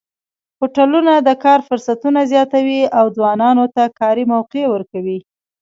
هوټلونه د کار فرصتونه زیاتوي او ځوانانو ته کاري موقع ورکوي.